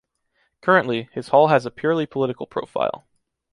Currently, his hall has a purely political profile.